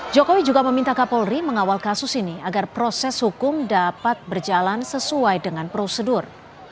jokowi juga meminta kapolri mengawal kasus ini agar proses hukum dapat berjalan sesuai dengan prosedur